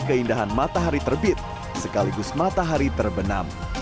keindahan matahari terbit sekaligus matahari terbenam